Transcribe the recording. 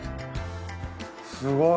すごい。